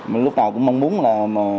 mình lúc nào cũng mong muốn là